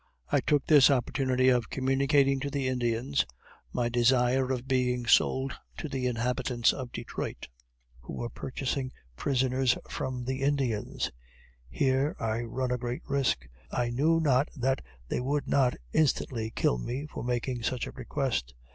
I took this opportunity of communicating to the Indians my desire of being sold to the inhabitants of Detroit, who were purchasing prisoners from the Indians, Here I run a great risk I knew not that they would not instantly kill me for making such a request.